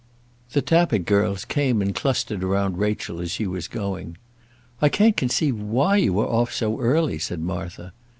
The Tappitt girls came and clustered about Rachel as she was going. "I can't conceive why you are off so early," said Martha.